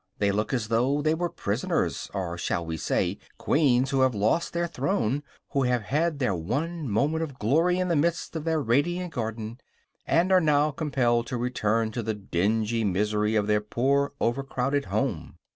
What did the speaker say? They look as though they were prisoners; or shall we say queens who have lost their throne, who have had their one moment of glory in the midst of their radiant garden, and are now compelled to return to the dingy misery of their poor overcrowded home.